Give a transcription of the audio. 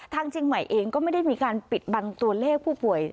เชียงใหม่เองก็ไม่ได้มีการปิดบังตัวเลขผู้ป่วย